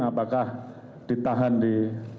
apakah ditahan di